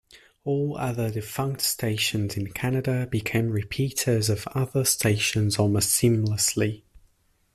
All other defunct stations in Canada became repeaters of other stations almost seamlessly.